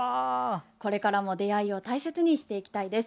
これからも出会いを大切にしていきたいです。